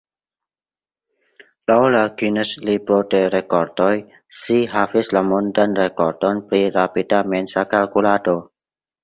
Laŭ la Guinness-libro de rekordoj si havis la mondan rekordon pri rapida mensa kalkulado.